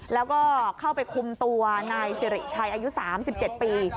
แล้วก็เข้าไปคุมตัวนายสิริชัยอายุ๓๗ปี